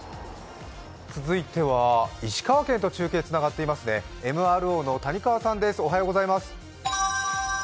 続いては石川県と中継がつながていますね、ＭＲＯの谷川さんです。